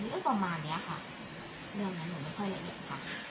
เรื่องประมาณเนี้ยค่ะเรื่องนั้นหนูไม่ค่อยละเอียดค่ะ